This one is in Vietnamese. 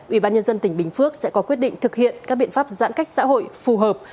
ủy ban nhân dân tỉnh bình phước sẽ có quyết định thực hiện các biện pháp giãn cách xã hội phù hợp